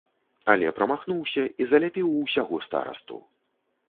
Але прамахнуўся і заляпіў усяго старасту.